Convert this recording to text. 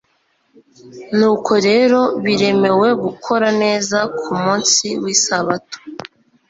Nuko rero biremewe gukora neza ku munsi w'isabato''`.»